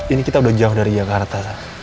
ini kita udah jauh dari jakarta